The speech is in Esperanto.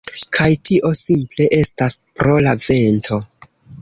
Kaj tio simple estas pro la vento.